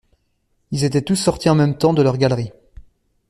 Ils étaient tous sortis en même temps de leurs galeries.